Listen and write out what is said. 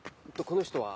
この人は。